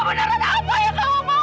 kamu darah apa yang kamu mau